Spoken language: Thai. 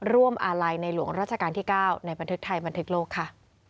อาลัยในหลวงราชการที่๙ในบันทึกไทยบันทึกโลกค่ะ